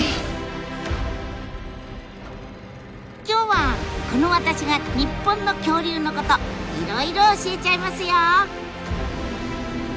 今日はこの私が日本の恐竜のこといろいろ教えちゃいますよ。